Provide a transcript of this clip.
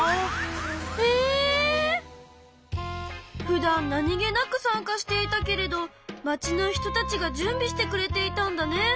ふだん何気なく参加していたけれどまちの人たちが準備してくれていたんだね。